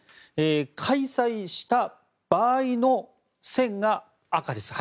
開催した場合の線が赤です。